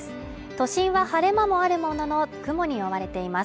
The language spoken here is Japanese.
都心は晴れ間もあるものの、雲に覆われています。